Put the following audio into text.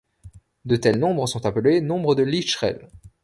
De tels nombres sont appelés Nombre de Lychrel.